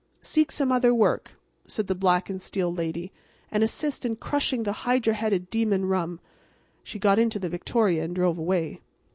"Seek some other work," said the black and steel lady, "and assist in crushing the hydra headed demon rum." And she got into the victoria and drove away.